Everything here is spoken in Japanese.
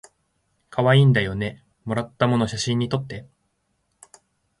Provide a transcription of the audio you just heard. かわいいんだよねもらったもの写真にとって